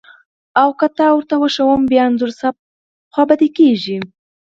او که تا وښیم بیا انځور صاحب خپه کږي.